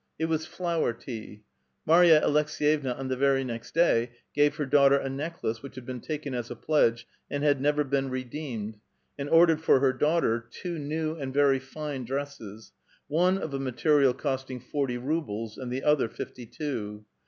It was flower tea. Marya Aleks6yevna on the very next day gave her daughter a neck lace which had been taken as a pledge a,nd had never been redeemed, and ordered for her daughter two new and very fiue dresses ; one of a material costing forty rubles, and the other fifty two.